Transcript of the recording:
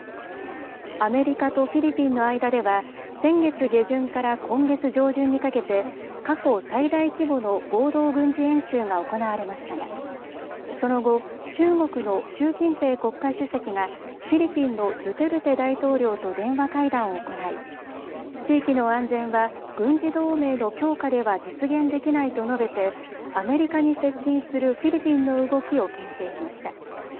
アメリカとフィリピンの間では先月下旬から今月上旬にかけて過去最大規模の合同軍事演習が行われましたがその後、中国の習近平国家主席がフィリピンのドゥテルテ大統領と電話会談を行い地域の安全は軍事同盟の強化では実現できないと述べてアメリカに接近するフィリピンの動きをけん制しました。